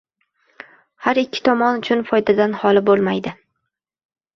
har ikki tomon uchun foydadan xoli bo‘lmaydi.